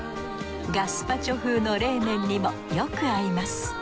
ガスパチョ風の冷麺にもよく合います